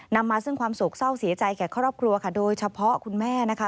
นำมาซึ่งความโศกเศร้าเสียใจแก่ครอบครัวค่ะโดยเฉพาะคุณแม่นะคะ